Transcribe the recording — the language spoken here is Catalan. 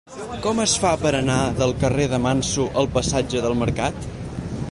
Com es fa per anar del carrer de Manso al passatge del Mercat?